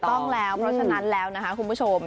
ต้องแล้วเพราะฉะนั้นแล้วนะคะคุณผู้ชม